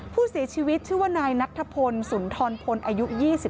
ผู้เสียชีวิตชื่อว่านายนัทธพลสุนทรพลอายุ๒๓